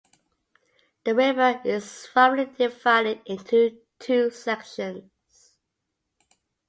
The river is roughly divided into two sections.